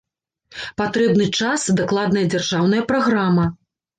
Патрэбны час, дакладная дзяржаўная праграма.